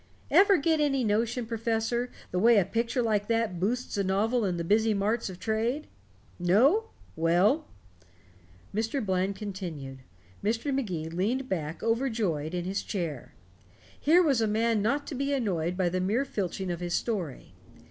Ever get any notion, Professor, the way a picture like that boosts a novel in the busy marts of trade? No? Well " Mr. Bland continued. Mr. Magee leaned back, overjoyed, in his chair. Here was a man not to be annoyed by the mere filching of his story.